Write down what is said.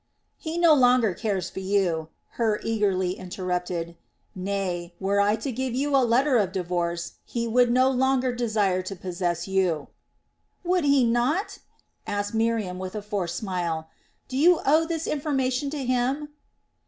"He no longer cares for you," Hur eagerly interrupted; "nay, were I to give you a letter of divorce, he would no longer desire to possess you." "Would he not?" asked Miriam with a forced smile. "Do you owe this information to him?"